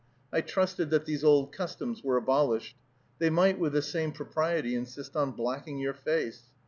I trusted that these old customs were abolished. They might with the same propriety insist on blacking your face.